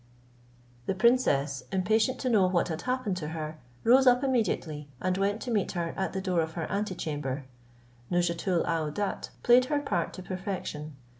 The princess, impatient to know what had happened to her, rose up immediately, and went to meet her at the door of her ante chamber. Nouzhatoul aouadat played her part to perfection.